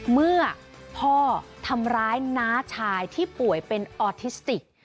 เมื่อพ่อทำร้ายน้าชายที่ป่วยเป็นออทิสติก